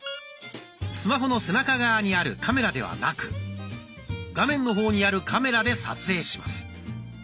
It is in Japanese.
スマホの背中側にあるカメラではなく画面の方にあるカメラで撮影します。